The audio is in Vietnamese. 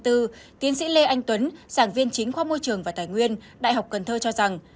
tiến sĩ lê anh tuấn sản viên chính khoa môi trường và tài nguyên đại học cần thơ cho rằng